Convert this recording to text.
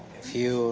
そう。